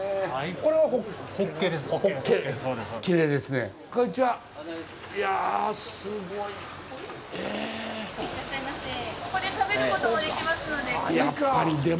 ここで食べることもできますので。